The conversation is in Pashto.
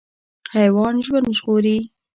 حیوان ژوند ژغوري.